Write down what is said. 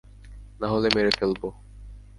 নাহলে মেরে ফেলব।